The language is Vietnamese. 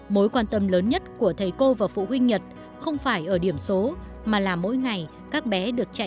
mối quan tâm lớn nhất của thầy cô và phụ huynh nhật không phải ở điểm số mà là mỗi ngày các bé được chạy